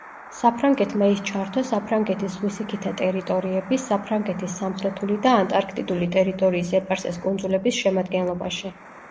საფრანგეთმა ის ჩართო საფრანგეთის ზღვისიქითა ტერიტორიების, საფრანგეთის სამხრეთული და ანტარქტიდული ტერიტორიის ეპარსეს კუნძულების შემადგენლობაში.